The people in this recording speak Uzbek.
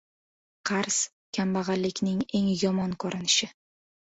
• Qarz ― kambag‘allikning eng yomon ko‘rinishi.